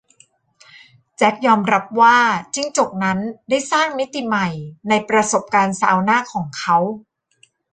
แจ็คยอมรับว่าจิ้งจกนั้นได้สร้างมิติใหม่ในประสบการณ์ซาวน่าของเขา